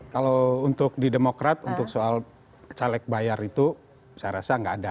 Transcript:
kalau untuk di demokrat untuk soal caleg bayar itu saya rasa nggak ada